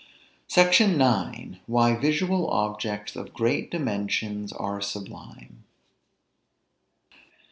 SECTION IX. WHY VISUAL OBJECTS OF GREAT DIMENSIONS ARE SUBLIME.